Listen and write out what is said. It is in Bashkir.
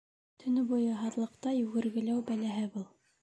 — Төнө буйы һаҙлыҡта йүгергеләү бәләһе был.